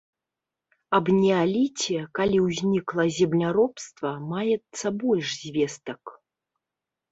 Аб неаліце, калі ўзнікла земляробства, маецца больш звестак.